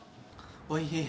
おいしい。